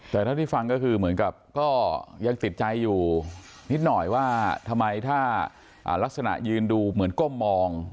แต่เท่าที่ฟังก็คือเหมือนกับก็ยังติดใจอยู่นิดหน่อยว่าทำไมถ้าลักษณะยืนดูเหมือนก้มมอง